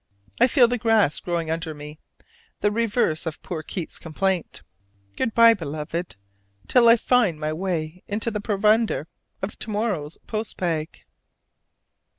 I feel the grass growing under me: the reverse of poor Keats' complaint. Good by, Beloved, till I find my way into the provender of to morrow's post bag.